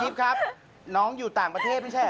เป็นยังไง